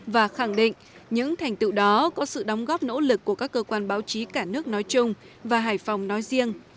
và khẳng định những thành tựu đó có sự đóng góp nỗ lực của các cơ quan báo chí cả nước nói chung và hải phòng nói riêng